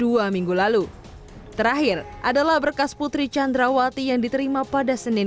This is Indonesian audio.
terima sejak dua minggu lalu terakhir adalah berkas putri chandrawati yang diterima pada senin